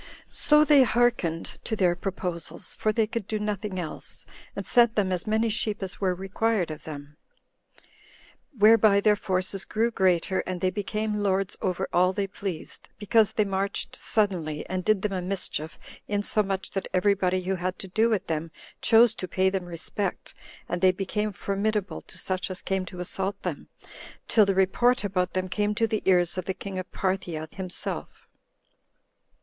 So they hearkened to their proposals, [for they could do nothing else,] and sent them as many sheep as were required of them; whereby their forces grew greater, and they became lords over all they pleased, because they marched suddenly, and did them a mischief, insomuch that every body who had to do with them chose to pay them respect; and they became formidable to such as came to assault them, till the report about them came to the ears of the king of Parthia himself.